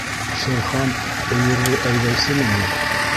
— Шер Хан өйөрҙө әйҙәүсеме ни?